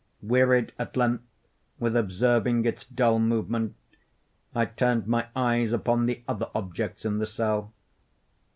Wearied at length with observing its dull movement, I turned my eyes upon the other objects in the cell.